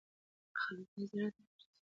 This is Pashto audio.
خلک باید یې زیارت ته ورسي.